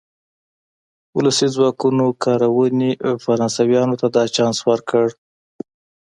ولسي ځواکونو کارونې فرانسویانو ته دا چانس ورکړ.